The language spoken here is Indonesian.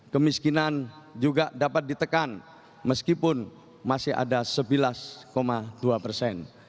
kemiskinan juga dapat ditekan meskipun masih ada sebelas dua persen